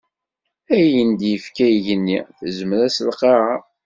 Ayen d-ifka igenni, tezmer-as lqaɛa.